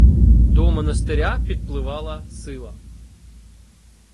До монастиря підпливала сила.